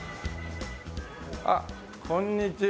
あっこんにちは。